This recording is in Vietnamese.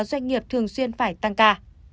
doanh nghiệp thường xuyên phải tăng ca